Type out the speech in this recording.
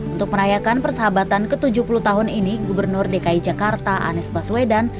untuk merayakan persahabatan ke tujuh puluh tahun ini gubernur dki jakarta anies baswedan